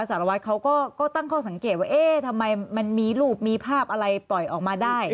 ศาลวัชเขาก็ก็ตั้งข้อสังเกตว่าเอ๊ะทำยังไงมันมีลูปมีภาพอะไรก็เปิดออกมาได้